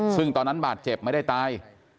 ซึ่งตอนนั้นบาดเจ็บไม่ได้ตาย